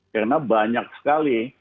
karena banyak sekali